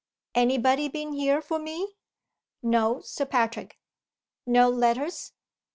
"Any body been here for me?" "No, Sir Patrick." "No letters?"